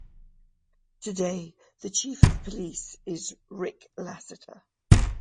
Today the chief of police is Rick Lassiter.